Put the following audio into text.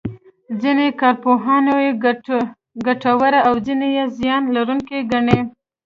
ځینې کارپوهان یې ګټوره او ځینې یې زیان اړوونکې ګڼي.